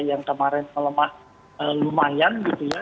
yang kemarin melemah lumayan gitu ya